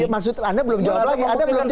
maksudnya anda belum jawab lagi